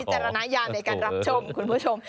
จะระนายามในการรับชมคุณผู้ชม